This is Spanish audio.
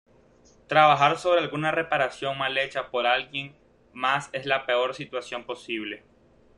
Trabajar sobre alguna reparación mal hecha por alguien más es la peor situación posible.